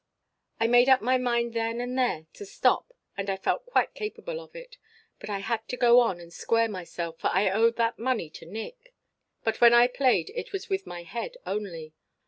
"I made up my mind then, and there to stop and I felt quite capable of it. But I had to go on and square myself, for I owed that money to Nick. But when I played it was with my head only.